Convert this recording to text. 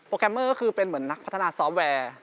แกรมเมอร์ก็คือเป็นเหมือนนักพัฒนาซอฟต์แวร์